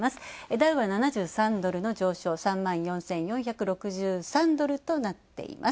ダウは７３ドルの上昇、３万４４６３ドルとなっています。